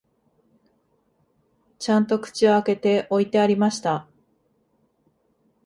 ちゃんと口を開けて置いてありました